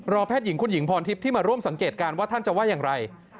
แพทย์หญิงคุณหญิงพรทิพย์ที่มาร่วมสังเกตการณ์ว่าท่านจะว่าอย่างไร